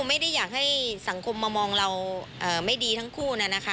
ไม่ได้อยากให้สังคมมามองเราไม่ดีทั้งคู่นะคะ